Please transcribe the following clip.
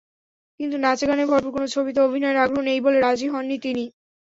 কিন্তু নাচে-গানে ভরপুর কোনো ছবিতে অভিনয়ের আগ্রহ নেই বলে রাজি হননি তিনি।